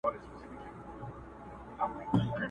بس یوازي د یوه سړي خپلیږي٫